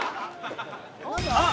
あっ。